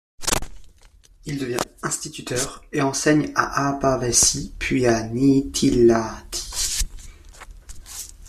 Il devient instituteur et enseigne à Haapavesi puis à Niittylahti.